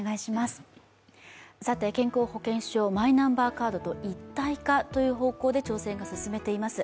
健康保険証、マイナンバーカードと一体化という方向で調整が進んでいます。